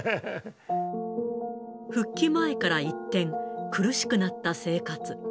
復帰前から一転、苦しくなった生活。